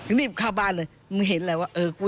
ได้นำเรื่องราวมาแชร์ในโลกโซเชียลจึงเกิดเป็นประเด็นอีกครั้ง